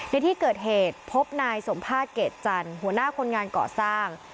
ในที่เกิดเหตุพบนายสมภาษณเกรดจันทร์หัวหน้าคนงานก่อสร้าง